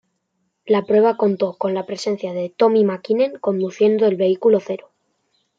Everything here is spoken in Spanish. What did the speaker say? La prueba contó con la presencia de Tommi Mäkinen conduciendo el vehículo cero.